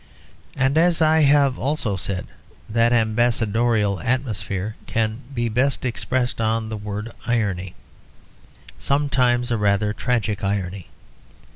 And, as I have also said, that ambassadorial atmosphere can be best expressed on the word irony, sometimes a rather tragic irony.